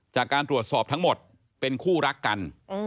จากการตรวจสอบทั้งหมดเป็นคู่รักกัน